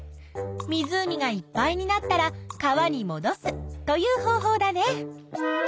湖がいっぱいになったら川にもどすという方法だね。